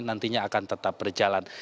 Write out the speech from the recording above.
nantinya akan tetap berjalan